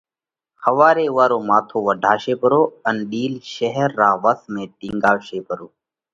ۿواري اُوئا رو ماٿو واڍشي پرو ان ڏِيل شير را وس ۾ ٽِينڳاوَشي پرو.